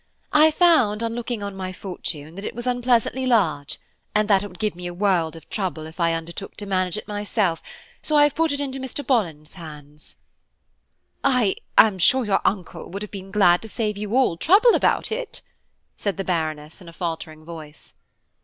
I found, on looking on my fortune, that it was unpleasantly large, and that it would give me a world of trouble if I undertook to manage it myself, so I have put it into Mr.Bolland's hands." "I am sure your uncle would have been glad to save you all trouble about it," said the Baroness in a faltering voice.